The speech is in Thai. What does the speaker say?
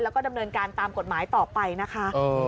แล้วก็ดำเนินการตามกฎหมายต่อไปนะคะ